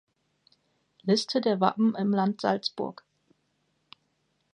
Liste der Wappen im Land Salzburg